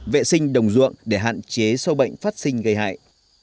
vệ sinh đồng ruộng để hạn chế sâu bệnh phát sinh gây hại